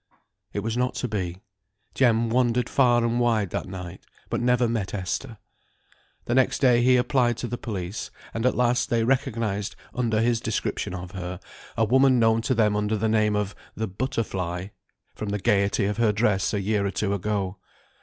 It was not to be. Jem wandered far and wide that night, but never met Esther. The next day he applied to the police; and at last they recognised under his description of her, a woman known to them under the name of the "Butterfly," from the gaiety of her dress a year or two ago.